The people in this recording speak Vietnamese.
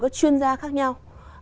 các chuyên gia khác nhau